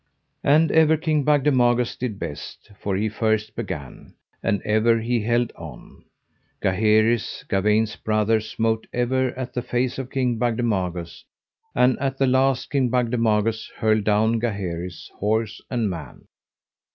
And ever King Bagdemagus did best, for he first began, and ever he held on. Gaheris, Gawaine's brother, smote ever at the face of King Bagdemagus; and at the last King Bagdemagus hurtled down Gaheris, horse and man.